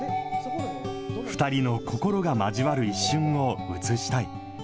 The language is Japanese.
２人の心が交わる一瞬を写したい。